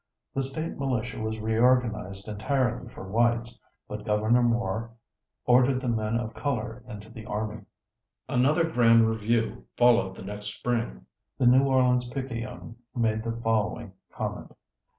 The state militia was reorganized entirely for whites but Governor Moore ordered the men of color into the army. Another grand review followed the next spring. The New Orleans Picayune made the following comment.